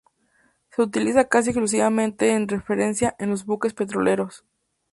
Se utiliza casi exclusivamente en referencia a los buques petroleros.